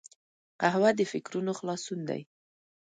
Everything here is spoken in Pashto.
قهوه د فکرونو خلاصون دی